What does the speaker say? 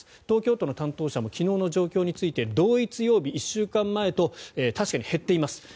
東京都の担当者も昨日の状況について同一曜日、１週間前と確かに減っています。